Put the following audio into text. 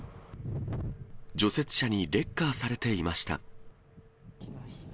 除雪車にレッカーされていました。